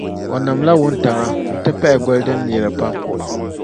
O namla wuntaŋa n-ti pahi goli din neeri pam.